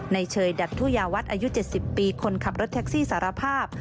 เชยดัทธุยาวัฒน์อายุ๗๐ปีคนขับรถแท็กซี่สารภาพ